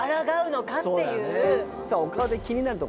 お顔で気になる所！